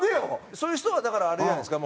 そういう人はだからあれじゃないですか？